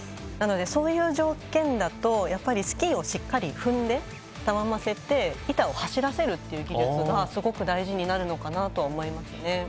そういう条件だとスキーをしっかり踏んでたわませて板を走らせるという技術がすごく大事になると思います。